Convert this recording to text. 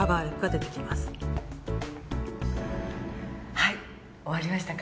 はい終わりましたか？